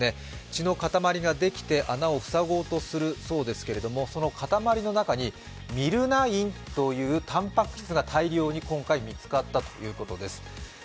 血の塊ができて穴をふさごうとするそうですがその塊の中にＭｙｌ９というたんぱく質が今回大量に見つかったということです。